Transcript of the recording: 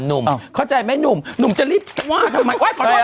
หนุ่มเข้าใจไหมหนุ่มหนุ่มจะรีบว่าทำไมขอโทษ